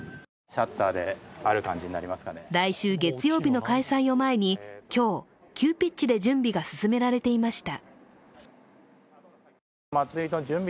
来週月曜日の開催を前に今日、急ピッチで準備が進められていました。